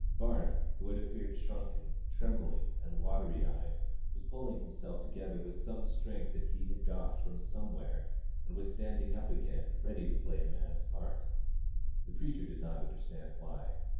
Bart, who had appeared shrunken, trembling, and watery eyed, was pulling himself together with some strength that he had got from somewhere, and was standing up again ready to play a man's part. The preacher did not understand why.